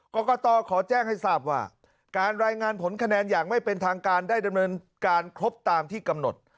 กรกตขอแจ้งให้ทราบว่าการรายงานผลคะแนนอย่างไม่เป็นทางการได้ดำเนินการครบตามที่กำหนด